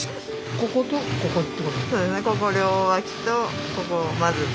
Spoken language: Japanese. こことここってこと？